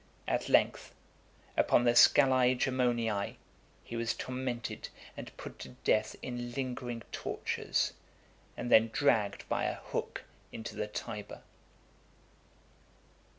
At length, upon the Scalae Gemoniae, he was tormented and put to death in lingering tortures, and then dragged by a hook into the Tiber.